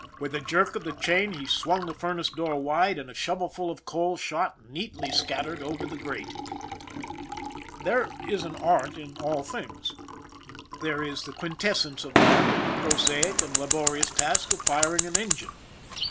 With a jerk of the chain, he swung the furnace door wide and a shovelful of coal shot, neatly scat tered, over the grate. There is art in all things; there is the quintessence of art in the prosaic and laborious task of firing an engine.